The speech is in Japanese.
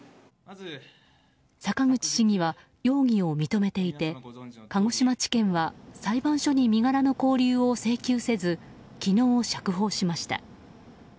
坂口市議は容疑を認めていて鹿児島地検は裁判所に身柄の勾留を請求せず昨日、釈放しました。